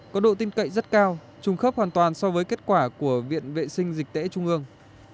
có độ tin cậy rất cao trùng khớp hoàn toàn so với kết quả của viện vệ sinh dịch tễ trung ương